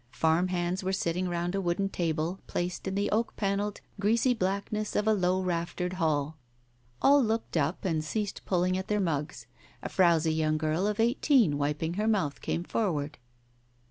Farm hands were sitting round a wooden table, placed in the oak panelled greasy blackness of a low raftered hall. All looked up, and ceased pulling at their mugs. A frowsy young girl of eighteen, wiping her mouth, came forward.